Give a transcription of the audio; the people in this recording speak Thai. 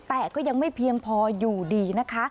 แต่ก็ยังไม่เพียงพออยู่ดีนะคะ